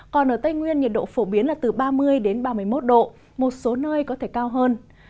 còn ở tây nguyên nhiệt độ phổ biến là từ ba mươi ba mươi một độ một số nơi có thể cao hơn